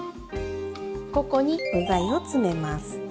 ここに具材を詰めます。